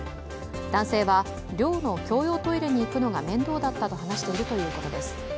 男性は寮の共用トイレに行くのが面倒だったと話しているということです。